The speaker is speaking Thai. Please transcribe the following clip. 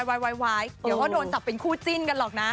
วายเดี๋ยวก็โดนจับเป็นคู่จิ้นกันหรอกนะ